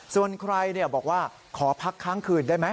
ส่วนใครบอกว่าขอพักค้างคืนได้ไหม